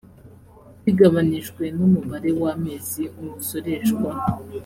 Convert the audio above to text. bigabanijwe n umubare w amezi umusoreshwa